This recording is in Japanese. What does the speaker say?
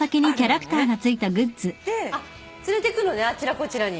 連れてくのねあちらこちらに。